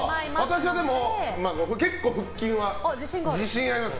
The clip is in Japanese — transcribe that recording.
私は結構腹筋は自信あります。